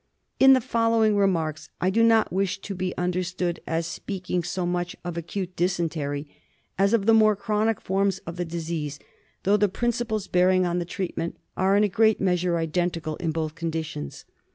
In the following remarks I do not wish to be under stood as speaking so much of acute dysentery as of the more chronic forms of the disease, although the principles bearing on the treatment are in a great measure identical in both conditions.